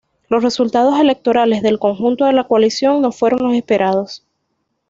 Los resultados electorales del conjunto de la coalición no fueron los esperados.